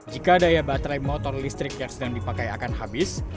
jika daya baterai motor listrik yang sedang dipakai akan habis